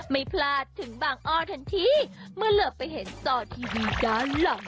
ไม่พลาดถึงบางอ้อทันทีเมื่อเลิกไปเห็นต่อทีวีด้านหลังอ่ะ